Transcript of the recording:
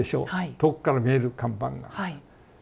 遠くから見える看板が。